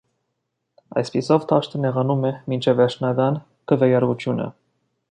Այսպիսով, դաշտը նեղանում է մինչև վերջնական քվեարկությունը։